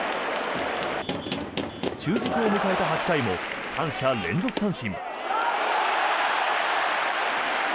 中軸を迎えた８回も３者連続三振。